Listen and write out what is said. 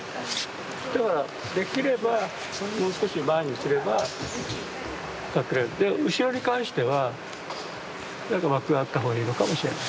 だからできればもう少し前にすれば隠れて後ろに関しては幕があった方がいいのかもしれない。